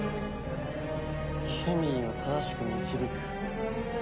ケミーを正しく導く。